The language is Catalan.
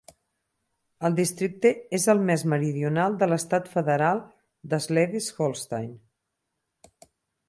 El districte és el més meridional de l'estat federal de Slesvig-Holstein.